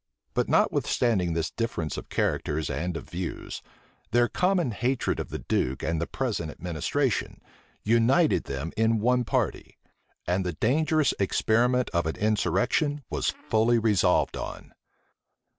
But notwithstanding this difference of characters and of views, their common hatred of the duke and the present administration united them in one party; and the dangerous experiment of an insurrection was fully resolved on.